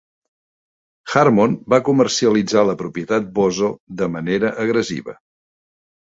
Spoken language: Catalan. Harmon va comercialitzar la propietat Bozo de manera agressiva.